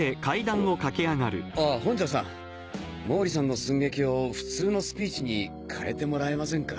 あ本城さん毛利さんの寸劇を普通のスピーチに変えてもらえませんか？